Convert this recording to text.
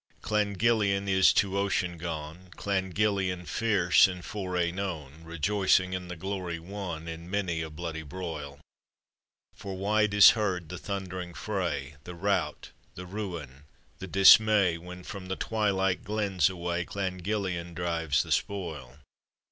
Clan Gillian is to ocean gone, Clan Gillian, fierce in foray known; Kejoicing in the glory won In many a bloody broil: For wide is heard the thundering fray, The rout, the ruin, the dismay, "When from the twilight glens away Clan Gillian drives the spoil.